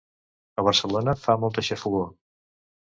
A Barcelona fa molta xafogor.